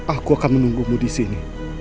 aku akan menunggumu disini